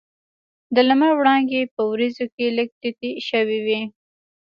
د لمر وړانګې په وریځو کې لږ تتې شوې وې.